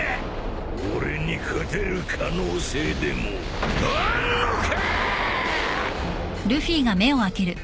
俺に勝てる可能性でもあるのか！